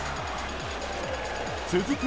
続く